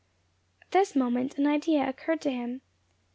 At this moment an idea occurred to him.